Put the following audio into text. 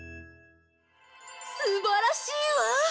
すばらしいわ！